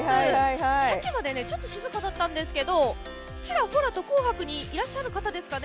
さっきまでちょっと静かだったんですけどちらほらと「紅白」にいらっしゃる方ですかね。